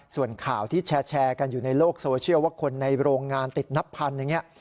ส่วนข่าวที่แชร์กันอยู่ในโลกโซเชียลว่าคนในโรงงานติดนับพันอย่างนี้